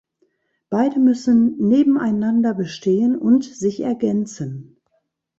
Beide müssen nebeneinander bestehen und sich ergänzen.